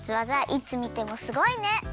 いつみてもすごいね！